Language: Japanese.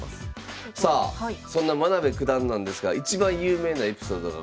さあそんな真部九段なんですが一番有名なエピソードがございます。